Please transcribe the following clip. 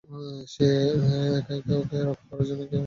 একা একা, ওকে রক্ষা করার জন্য বড় কেউ নেই।